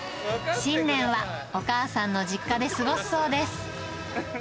新年はお母さんの実家で過ごすそうです。